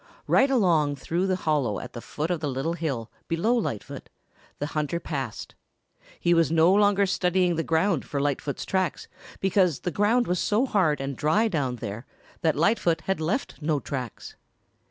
Right along through the hollow at the foot of the little hill below Lightfoot the hunter passed. He was no longer studying the ground for Lightfoot's tracks, because the ground was so hard and dry down there that Lightfoot had left no tracks.